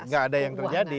gak ada yang terjadi